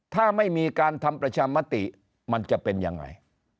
ถ้าไม่มีการทำประชามติมันจะเป็นยังไง